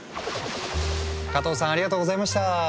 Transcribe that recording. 加藤さんありがとうございました。